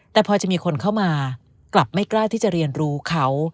แต่พอจะมีคนเข้ามากลับไม่กล้าที่จะเรียนรู้เขา